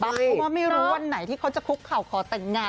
เพราะว่าไม่รู้วันไหนที่เขาจะคุกเข่าขอแต่งงาน